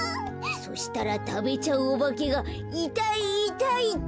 そしたらたべちゃうおばけが「いたいいたい！」